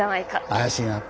怪しいなって？